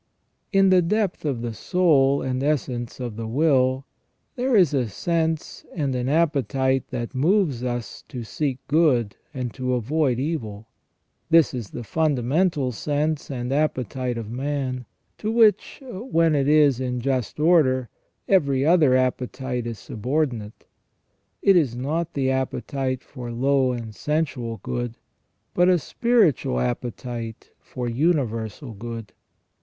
In the depth of the soul and essence of the will there is a sense and an appetite that moves us to seek good and to avoid evil. This is the fundamental sense and appetite of man, to which, when it is in just order, every other appetite is subordinate. It is not the appetite for low and sensual good, but a spiritual appetite for universal good.